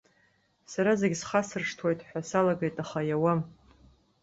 Сара зегьы схасыршҭуеит ҳәа салагеит, аха иауам.